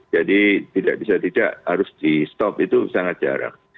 jadi tidak bisa tidak harus di stop itu sangat jarang